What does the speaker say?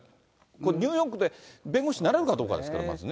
これ、ニューヨークで弁護士になれるかどうかですからね、まずね。